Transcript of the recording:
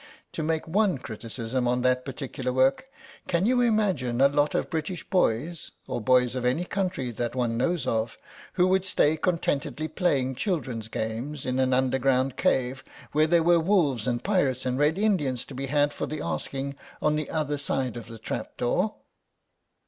To make only one criticism on that particular work, can you imagine a lot of British boys, or boys of any country that one knows of, who would stay contentedly playing children's games in an underground cave when there were wolves and pirates and Red Indians to be had for the asking on the other side of the trap door?"